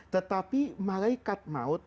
tetapi malaikat maut